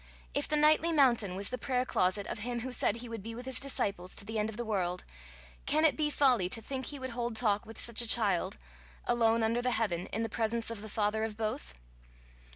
If the nightly mountain was the prayer closet of him who said he would be with his disciples to the end of the world, can it be folly to think he would hold talk with such a child, alone under the heaven, in the presence of the father of both?